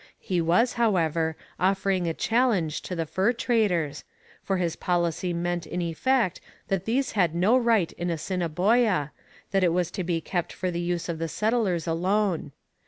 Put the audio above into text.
He was, however, offering a challenge to the fur traders, for his policy meant in effect that these had no right in Assiniboia, that it was to be kept for the use of settlers alone.